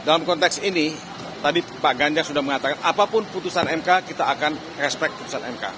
dalam konteks ini tadi pak ganjar sudah mengatakan apapun putusan mk kita akan respect putusan mk